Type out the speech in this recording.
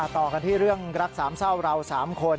ต่อกันที่เรื่องรักสามเศร้าเรา๓คน